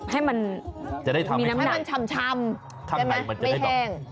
ให้มันมีน้ำหน่อยให้มันชำใช่ไหมไม่แห้ง